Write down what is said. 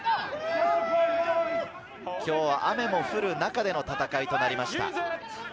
今日は雨も降る中での戦いとなりました。